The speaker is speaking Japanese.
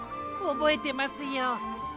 おぼえてますよ。